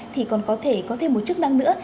thì còn có thể có thêm một chức năng nữa